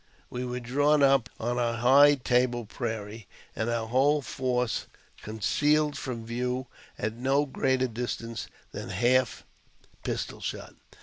We were drawn up on a high table prairie, our whole force concealed from view at no greater distance than half pistol shot.